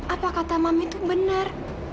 apa kata mami itu benar